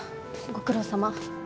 ご苦労さま。